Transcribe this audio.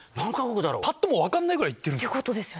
パッともう分かんないぐらい？ってことですよね？